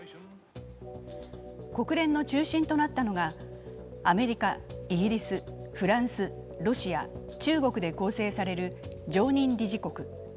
国連の中心となったのがアメリカ、イギリス、フランス、ロシア、中国で構成される常任理事国。